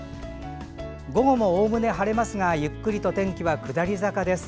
午後もおおむね晴れますがゆっくりと天気は下り坂です。